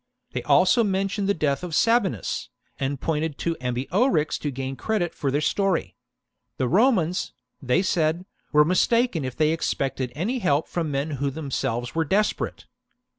They also mentioned the death of Sabinus, and pointed to Ambiorix to gain credit for their story. The Romans, they said, were mistaken if they expected any help from men who were themselves desperate.